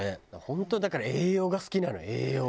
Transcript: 本当だから栄養が好きなの栄養。